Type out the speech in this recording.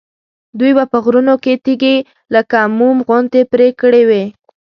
دوی به په غرونو کې تیږې لکه موم غوندې پرې کړې وي.